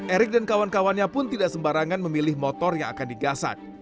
erik dan kawan kawannya pun tidak sembarangan memilih motor yang akan digasak